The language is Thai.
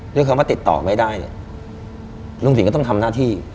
ด้วยคำว่าติดต่อไม่ได้ลุงสิงก็ต้องทำหน้าที่